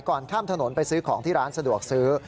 ข้ามถนนไปซื้อของที่ร้านสะดวกซื้อ